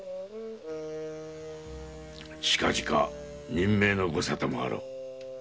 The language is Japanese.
近々任命のご沙汰もあろう。